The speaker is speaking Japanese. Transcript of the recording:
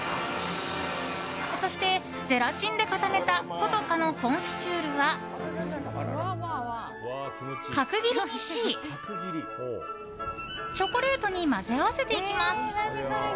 そして、ゼラチンで固めた古都華のコンフィチュールは角切りにしチョコレートに混ぜ合わせていきます。